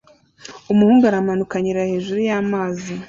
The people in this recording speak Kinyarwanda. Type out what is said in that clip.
Umuhungu aramanuka anyerera hejuru y'amazi